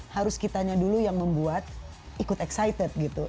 harus kitanya dulu yang membuat ikut excited gitu